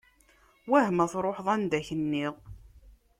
Wah ma truḥeḍ anda i k-nniɣ?